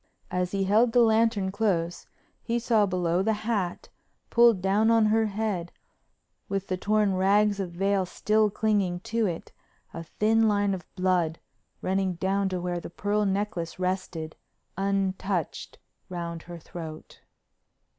As he held the lantern close he saw below the hat, pulled down on her head, with the torn rags of veil still clinging to it, a thin line of blood running down to where the pearl necklace rested, untouched, round her throat.